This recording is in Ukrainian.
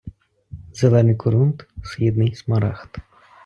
Зелений корунд – східний смарагд